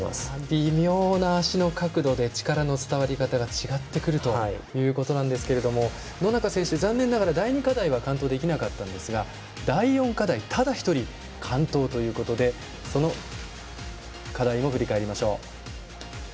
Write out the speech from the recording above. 微妙な足の角度で力の伝わり方が違ってくるということですが野中選手、第２課題は残念ながら完登できなかったんですが第４課題、ただ一人完登ということでその課題を振り返りましょう。